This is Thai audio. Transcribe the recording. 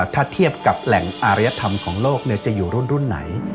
ถ้าเทียบกับแหล่งอารยธรรมของโลกจะอยู่รุ่นไหน